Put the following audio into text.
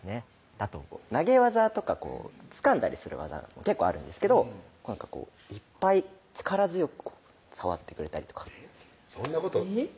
あと投げ技とかつかんだりする技が結構あるんですけどいっぱい力強く触ってくれたりとかそんなことえぇ？